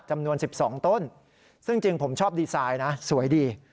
จำนวน๑๒ต้นซึ่งจริงผมชอบดีไซน์นะสวยดี